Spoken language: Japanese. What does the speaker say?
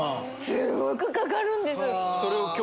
すごくかかるんです！